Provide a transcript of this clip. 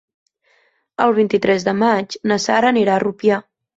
El vint-i-tres de maig na Sara anirà a Rupià.